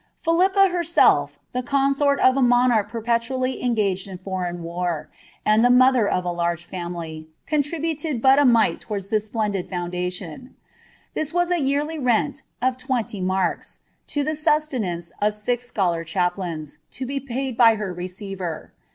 Philippa herself, the consort of a monarch perpetually engaged in foreign war, and the mother of a large family, contnbuted but a mite to wards this splendid foundation : this was a yearly rent of twenty marks, lo the sustenance of six scholar chaplains, to be paid by her receiver.